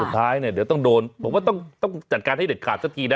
ท้ายเนี่ยเดี๋ยวต้องโดนผมว่าต้องจัดการให้เด็ดขาดสักทีนะ